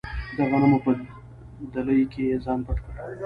د غنمو په دلۍ کې یې ځان پټ کړ.